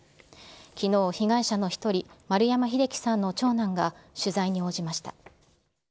きのう、被害者の１人、圓山秀樹さんの長男が取材に応じました。